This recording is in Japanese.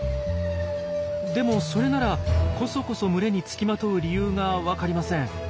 でもそれならコソコソ群れにつきまとう理由が分かりません。